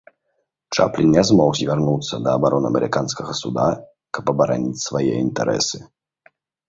Чаплін не змог звярнуцца да абароны амерыканскага суда, каб абараніць свае інтарэсы.